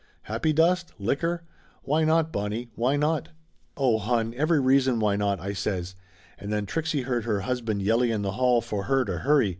Happy dust? Liquor? Why not, Bonnie, why not?" "Oh, hon, every reason why not!" I says, and then Trixie heard her husband yelling in the hall for her to hurry.